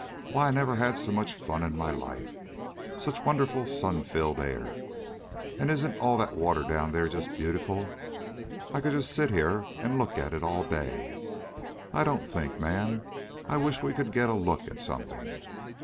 "Why, I never had so much fun in my life. Such wonderful sun filled air. And isn't all that water down there just beautiful? I could just sit here and look at it all day I don't think! Man! I wish we could get a look at something.